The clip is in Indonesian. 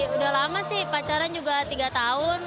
udah lama sih pacaran juga tiga tahun